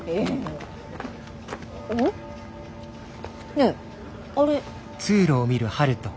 ねえあれ。